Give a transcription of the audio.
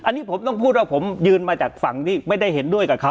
อันนี้ผมต้องพูดว่าผมยืนมาจากฝั่งที่ไม่ได้เห็นด้วยกับเขา